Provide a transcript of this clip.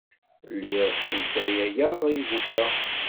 Lliɣ stenyayeɣ iguta.